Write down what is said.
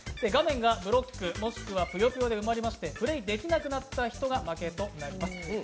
画面がブロックもしくはぷよぷよちで埋まりましてプレーできなくなった人が負けとなります。